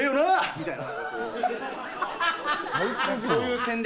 みたいな。